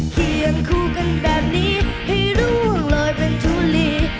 เคียงคู่กันแบบนี้ให้ร่วงเลยเป็นทุลี